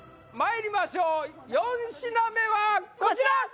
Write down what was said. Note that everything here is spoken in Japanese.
まいりましょう４品目はこちら！